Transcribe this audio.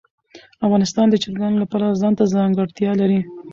افغانستان د چرګانو له پلوه ځانته ځانګړتیا لري.